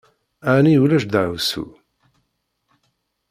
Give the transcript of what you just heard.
Ɛni ulac deɛwessu?